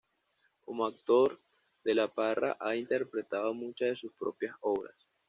Como actor, De la Parra ha interpretado muchas de sus propias obras.